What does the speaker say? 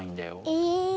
え。